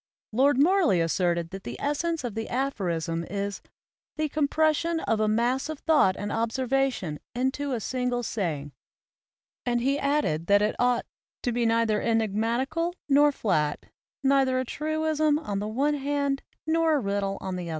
" Lord Morley asserted that the essence of the aphorism is "the compression of a mass of thought and observation into a single saying"; and he added that it ought "to be neither enigmatical nor flat, neither a truism on the one hand, nor a riddle on the other."